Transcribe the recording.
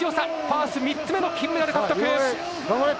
ファース３つ目の金メダル獲得！